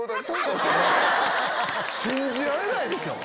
信じられないでしょ。